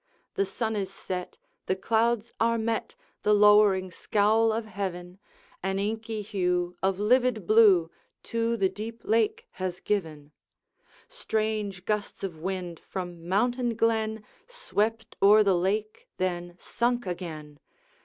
The sun is set; the clouds are met, The lowering scowl of heaven An inky hue of livid blue To the deep lake has given; Strange gusts of wind from mountain glen Swept o'er the lake, then sunk again.